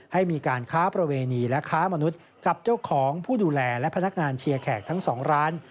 ให้มีการค้าประเวณีและค้ามนุษย์กับเจ้าของผู้ดูแลและพนักงานเชียร์แขกทั้ง๒ร้าน